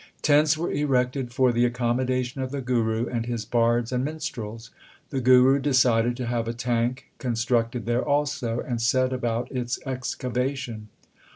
Tents were erected for the accommodation of the Guru and his bards and minstrels. The Guru decided to have a tank constructed there also, and set about its excavation.